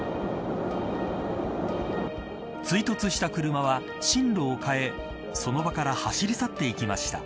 追突した車は進路を変えその場から走り去って行きました。